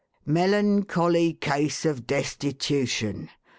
' Melancholy case of destitution.